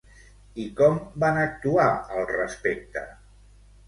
I com van actuar al respecte?